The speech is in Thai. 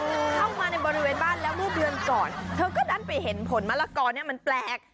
เข้ามาในบริเวณบ้านแล้วเมื่อเดือนก่อนเธอก็ดันไปเห็นผลมะละกอเนี่ยมันแปลก